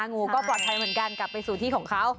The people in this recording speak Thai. งูก็ปลอดภัยเหมือนกันกลับไปสู่ที่ของเขา